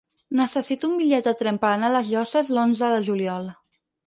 Necessito un bitllet de tren per anar a les Llosses l'onze de juliol.